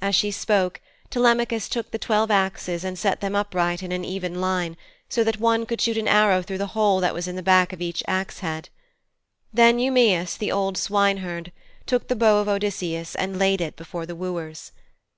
As she spoke Telemachus took the twelve axes and set them upright in an even line, so that one could shoot an arrow through the hole that was in the back of each axe head. Then Eumæus, the old swineherd, took the bow of Odysseus, and laid it before the wooers.